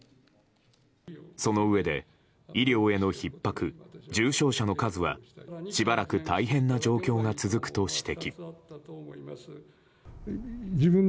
そのうえで医療へのひっ迫、重症者の数はしばらく大変な状況が続くと指摘。